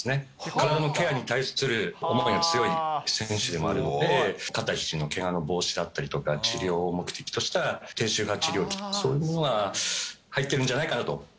体のケアに対する思いが強い選手でもあるので、肩、ひじのけがの防止だったりとか、治療を目的とした低周波治療器、そういうものが入ってるんじゃないかなと。